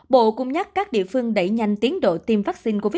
bộ cũng nhắc các địa phương đẩy nhanh tiến độ tiêm vaccine covid một mươi chín